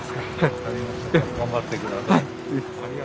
頑張って下さい。